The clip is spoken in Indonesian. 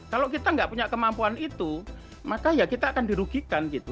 kalau kita nggak punya kemampuan itu maka ya kita akan dirugikan gitu